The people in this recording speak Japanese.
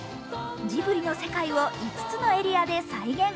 ジブリの世界を５つのエリアで再現。